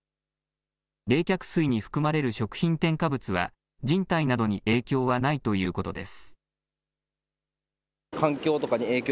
冷却水に含まれる食品添加物は、人体などに影響はないということです。